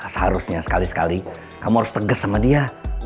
seharusnya sekali sekali kamu harus tegas sama dia